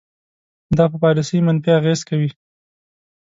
دا په پالیسۍ منفي اغیز کوي.